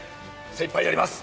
精いっぱいやります。